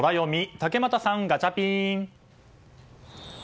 竹俣さん、ガチャピン。